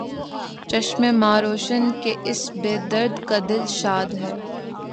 چشمِ ما روشن، کہ اس بے درد کا دل شاد ہے